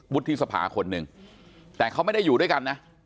วุฒิสภาคนหนึ่งแต่เขาไม่ได้อยู่ด้วยกันนะ